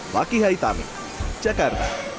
bagi hai tami cekar